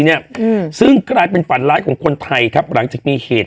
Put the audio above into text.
เนี้ยอืมซึ่งกลายเป็นฝันร้ายของคนไทยครับหลังจากมีเหตุ